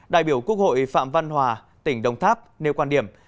đại biểu quốc hội phạm văn hòa tỉnh đồng tháp nêu quan điểm